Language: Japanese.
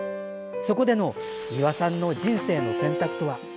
そこでの美輪さんの人生の選択とは。